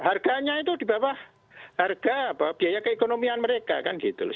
harganya itu di bawah harga biaya keekonomian mereka kan gitu loh